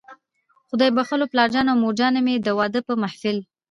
خدای بښلو پلارجان او مورجانې مې، د واده د محفل